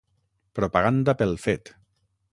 Propaganda pel fet!